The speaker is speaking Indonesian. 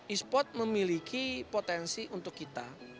e sport memiliki potensi untuk kita